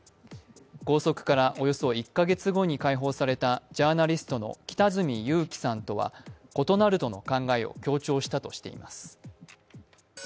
拘束からおよそ１カ月後に解放されたジャーナリストの北角裕樹さんとは異なるとの考えを強調したとしています。